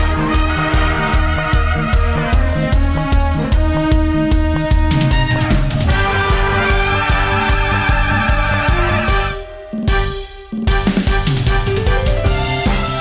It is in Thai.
โปรดติดตามตอนต่อไป